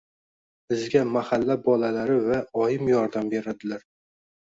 bizga mahalla bolalari va oyim yerdam beradilar.